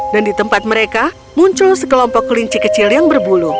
dan di tempat mereka muncul sekelompok kelinci kecil yang berbulu